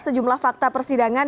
sejumlah fakta persidangan